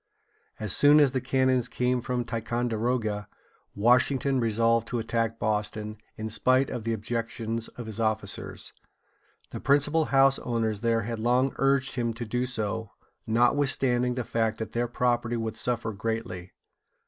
As soon as the cannons came from Ticonderoga, Washington resolved to attack Boston, in spite of the objections of his officers. The principal house owners there had long urged him to do so, notwithstanding the fact that their property would suffer greatly.